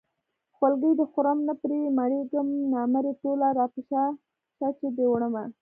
خولګۍ دې خورم نه پرې مړېږم نامرې ټوله راپشا شه چې دې وړمه